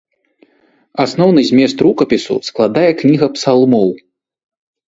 Асноўны змест рукапісу складае кніга псалмоў.